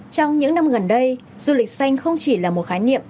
trong những năm gần đây du lịch xanh không chỉ là một khái niệm